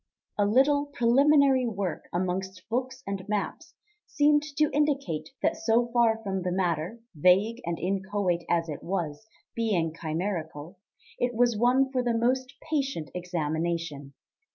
A little preliminary work amongst books and maps seemed to indicate that so far from the matter, vague and inchoate as it was, being chimerical, it was one for the most patient examination.